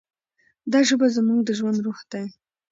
دا ژبه زموږ د ژوند روح دی.